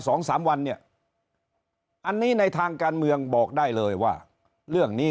สองสามวันเนี่ยอันนี้ในทางการเมืองบอกได้เลยว่าเรื่องนี้